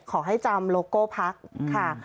ขอให้จำโลโก้พักค่ะ